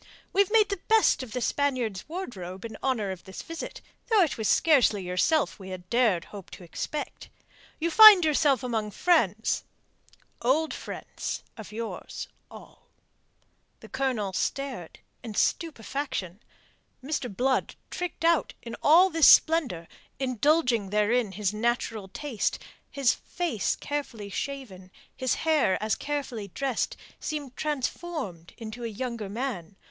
"We've made the best of the Spaniards' wardrobe in honour of this visit, though it was scarcely yourself we had dared hope to expect. You find yourself among friends old friends of yours, all." The Colonel stared in stupefaction. Mr. Blood tricked out in all this splendour indulging therein his natural taste his face carefully shaven, his hair as carefully dressed, seemed transformed into a younger man.